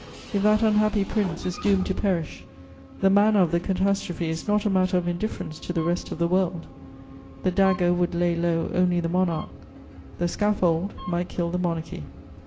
If that unhappy Prince is doomed to perish, the manner of the catastrophe is not a matter of indifference to the rest of the world: the dagger would lay low only the Monarch, the scaffold might kill the Monarchy.